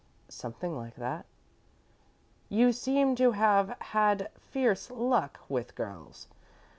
"Something like that." "You seem to have had fierce luck with girls.